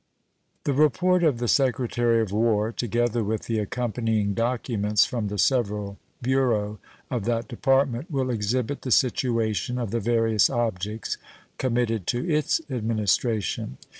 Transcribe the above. The report of the Secretary of War, together with the accompanying documents from the several bureaux of that Department, will exhibit the situation of the various objects committed to its administration.